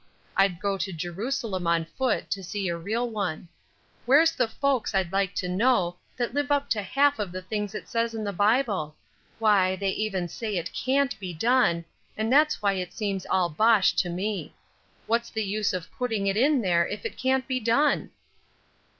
I'd go to Jerusalem on foot to see a real one. Where's the folks, I'd like to know, that live up to half of the things it says in the Bible? Why, they even say it can't be done, and that's why it seems all bosh to me. What was the use of putting it in there if it can't be done?"